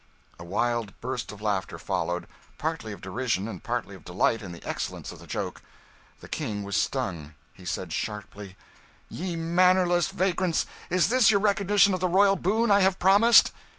A wild burst of laughter followed, partly of derision and partly of delight in the excellence of the joke. The King was stung. He said sharply "Ye mannerless vagrants, is this your recognition of the royal boon I have promised?"